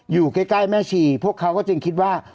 อยู่ใกล้แม่ชีพวกเขาก็จึงคิดว่า